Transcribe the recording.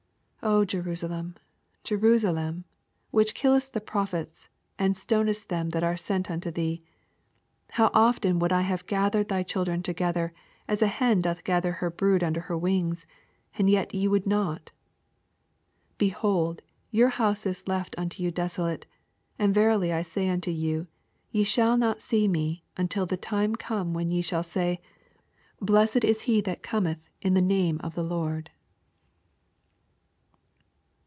34 0 Jerusalem, JemsaJem, which killest the prophets, and stouest them that are sent unto thee ; how o^eo would I have gathered thy children together, as a hen dM gather hei brood under It^r wings, and ye would not I 35 Behold, your house is left unto you desolate : and verily I say unto you, Ye shall not see me, until tht time come when ye shall say, Blessed 18 he that cometh in the na^e of the Lord.